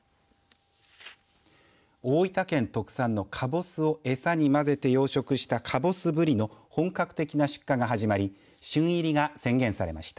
大分県特産のかぼすをえさに混ぜて養殖した、かぼすブリの本格的な出荷が始まり旬入りが宣言されました。